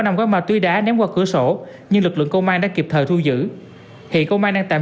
một chiếc túi đá ném qua cửa sổ nhưng lực lượng công an đã kịp thời thu giữ hiện công an đang tạm